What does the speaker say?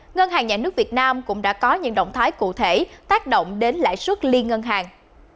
ngân hàng nhà nước việt nam cũng đã có những động thái cụ thể tác động đến lãi suất liên ngân hàng